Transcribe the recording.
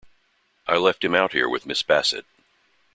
I left him out here with Miss Bassett.